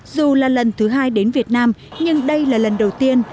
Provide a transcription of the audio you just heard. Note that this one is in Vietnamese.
dù là lần thứ hai đến việt nam nhưng đây là lần đầu tiên